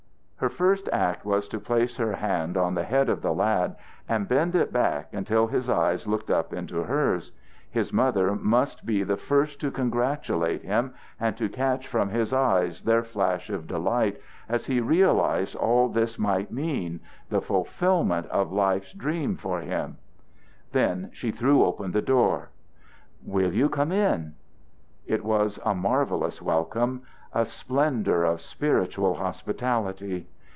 Her first act was to place her hand on the head of the lad and bend it back until his eyes looked up into hers; his mother must be the first to congratulate him and to catch from his eyes their flash of delight as he realized all that this might mean: the fulfilment of life's dream for him. Then she threw open the door. "Will you come in?" It was a marvelous welcome, a splendor of spiritual hospitality.